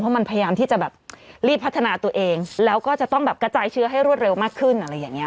มันพยายามที่จะแบบรีบพัฒนาตัวเองแล้วก็จะต้องแบบกระจายเชื้อให้รวดเร็วมากขึ้นอะไรอย่างนี้